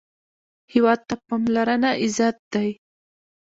هېواد ته پاملرنه عزت دی